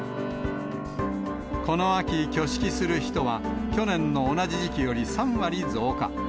この秋、挙式する人は去年の同じ時期より３割増加。